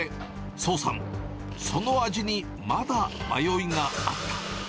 創さん、その味にまだ迷いがあった。